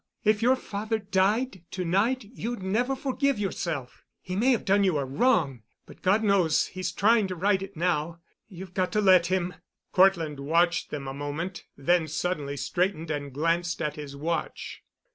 If your father died to night you'd never forgive yourself. He may have done you a wrong, but God knows he's trying to right it now. You've got to let him." Cortland watched them a moment, then suddenly straightened and glanced at his watch.